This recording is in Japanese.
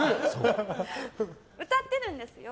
歌ってるんですよ。